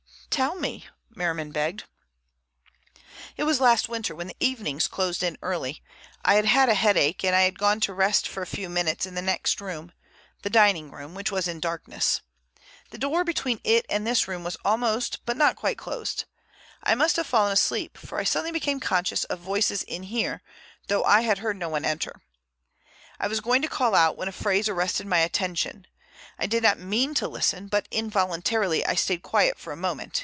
"Tell me," Merriman begged. "It was last winter when the evenings closed in early. I had had a headache and I had gone to rest for a few minutes in the next room, the dining room, which was in darkness. The door between it and this room was almost but not quite closed. I must have fallen asleep, for I suddenly became conscious of voices in here, though I had heard no one enter. I was going to call out when a phrase arrested my attention. I did not mean to listen, but involuntarily I stayed quiet for a moment.